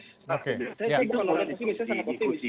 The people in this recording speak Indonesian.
saya cek dulu pasti misalnya sangat optimis